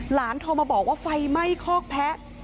โทรมาบอกว่าไฟไหม้คอกแพะ